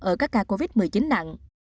ở các ca covid một mươi chín nặng